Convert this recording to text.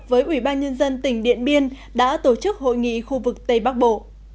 với ủy ban nhân dân tỉnh điện biên đã tổ chức hội nghị khu vực tây bắc bộ